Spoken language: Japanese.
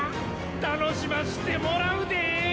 楽しましてもらうで！